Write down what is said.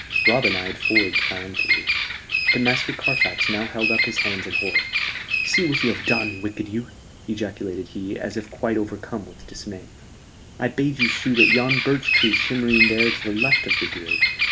Robin eyed Ford triumphantly. But Master Carfax now held up his hands in horror. "See what you have done, wicked youth," ejaculated he, as if quite overcome with dismay. "I bade you shoot at yon birch tree shimmering there to the left of the deer.